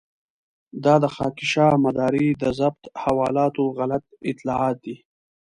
دا د خاکيشاه مداري د ضبط حوالاتو غلط اطلاعات دي.